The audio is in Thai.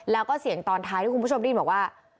แล้วก็เสียงตอนท้ายที่คุณผู้ชมได้ยินบอกว่า